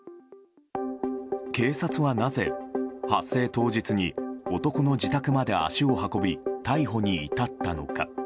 警察はなぜ、発生当日に男の自宅まで足を運び逮捕に至ったのか。